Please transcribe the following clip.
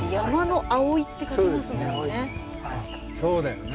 そうだよね。